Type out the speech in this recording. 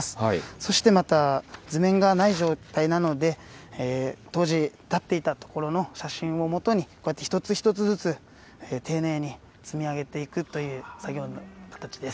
そしてまた図面がない状態なので、当時、建っていた所の写真をもとに、こうやって一つ一つずつ、丁寧に積み上げていくという作業の形です。